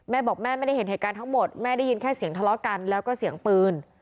แม่บอกแม่ไม่ได้เห็นเหตุการณ์ทั้งหมดแม่ได้ยินแค่เสียงทะเลาะกันแล้วก็เสียงปืน